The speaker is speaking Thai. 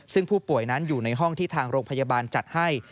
ซึ่งผู้ป่วยนั้นอยู่ในห้องที่ทางโรงพยาบาลจัดให้